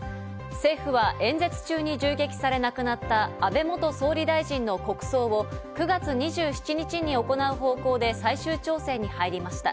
政府は演説中に銃撃され亡くなった安倍元総理大臣の国葬を９月２７日に行う方向で最終調整に入りました。